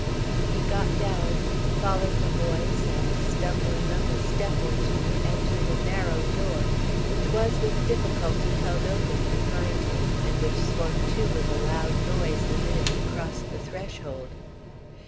He got down, followed the voice, and, stumbling up a step or two, entered a narrow door, which was with difficulty held open behind him, and which swung to with a loud noise the minute he crossed the threshold.